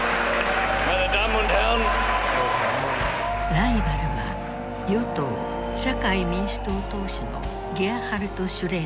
ライバルは与党社会民主党党首のゲアハルト・シュレーダー。